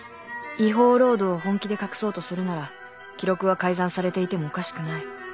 違法労働を本気で隠そうとするなら記録は改ざんされていてもおかしくない